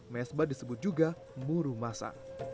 mesbah disebut juga muru masa